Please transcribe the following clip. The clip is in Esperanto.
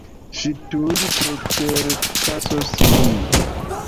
Ŝi tuj preterpasos nin.